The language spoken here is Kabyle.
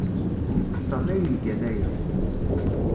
D Sami ay igan aya.